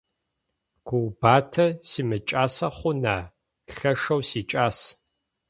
Гуубатэ симыкӀасэ хъуна! Лъэшэу сикӀас.